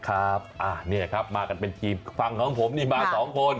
ครับนี่ครับมากันเป็นทีมฝั่งของผมนี่มาสองคน